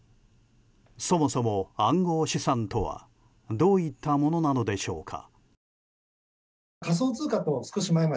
そもそも暗号資産とはどういったものなのでしょうか。